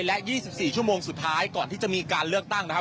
และ๒๔ชั่วโมงสุดท้ายก่อนที่จะมีการเลือกตั้งนะครับ